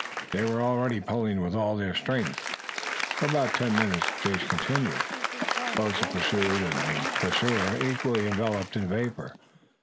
They were already pulling with all their strength. For about ten minutes the chase continued, both the pursued and the pursuer equally enveloped in vapour.